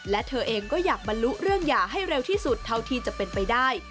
และเธอเองก็อยากบรรลุเรื่องหย่าให้เร็วที่สุดเท่าที่จะเป็นไปได้